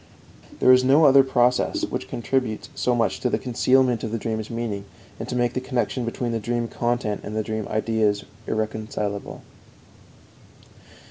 There is no other process which contributes so much to concealment of the dream's meaning and to make the connection between the dream content and dream ideas irrecognizable.